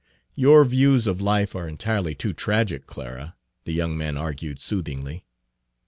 "Your views of life are entirely too tragic, Page 33 Clara," the young man argued soothingly.